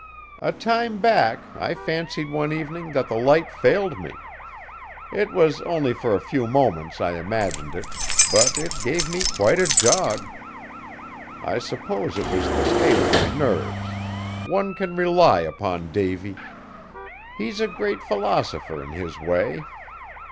A time back I fancied one evening that the Light failed me. It was only for a few moments I imagined it, but it gave me quite a jog. I suppose it was the state of my nerves; one can rely upon Davy. He's a great philosopher in his way.